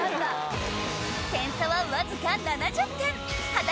点差はわずか７０点！